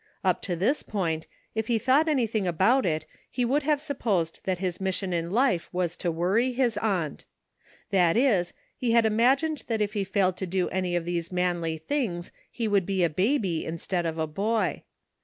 Up to this point, if he thought any thing about it, he would have supposed that his mission in life was to worry his aunt. That is, he had imagined that if he failed to do any of these manly things he would be a baby, instead of a boy.